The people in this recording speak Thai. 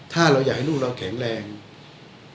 ถ้าเราอยากให้ลูกเราแข็งแรงและเข้มแข็ง